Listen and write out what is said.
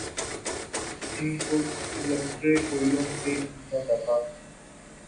ان کو سلگتے کوئلوں پہ کھینچا جاتا۔